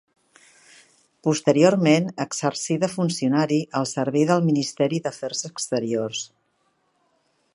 Posteriorment exercí de funcionari al servei del Ministeri d'Afers Exteriors.